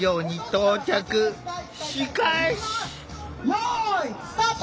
「よいスタート！